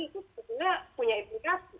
itu sebetulnya punya implikasi